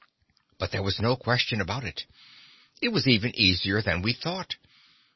But there was no question about it. It was even easier than we'd thought.